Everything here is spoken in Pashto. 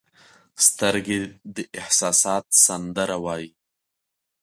سترګې د احساسات سندره وایي